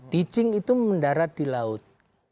dijing itu mendarat di laut